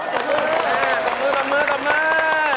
กำมือมา